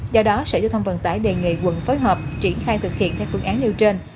do đó sở giao thông vận tải đề nghị quận phối hợp triển khai thực hiện theo phương án nêu trên